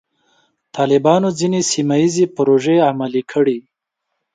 طالبانو ځینې سیمه ییزې پروژې عملي کړې.